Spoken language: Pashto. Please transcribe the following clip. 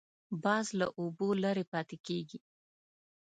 باز له اوبو لرې پاتې کېږي